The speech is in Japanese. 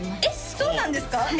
えっそうなんですか？